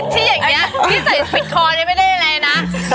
ที่ใส่พลิกคอเนี่ยไม่ได้อะไรนะ